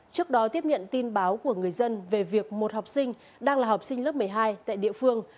trước đó tiếp nhận tin báo của người dân về việc một học sinh đang là học sinh lớp một mươi hai tại địa phương